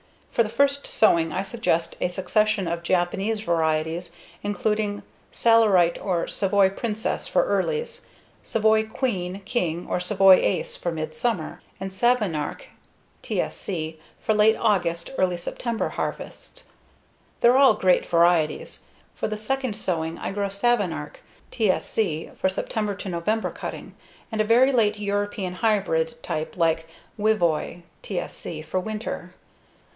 For the first sowing I suggest a succession of Japanese varieties including Salarite or Savoy Princess for earlies; Savoy Queen, King, or Savoy Ace for midsummer; and Savonarch (TSC) for late August/early September harvests. They're all great varieties. For the second sowing I grow Savonarch (TSC) for September[ ]November cutting and a very late European hybrid type like Wivoy (TSC) for winter.